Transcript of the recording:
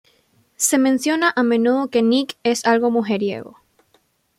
Se menciona a menudo que Nick es algo mujeriego.